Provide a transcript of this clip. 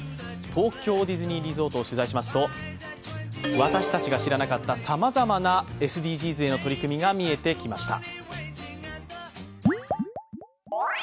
東京ディズニーリゾートを取材しますと、私たちが知らなかったさまざまなＳＤＧｓの取り組みが見えてきました。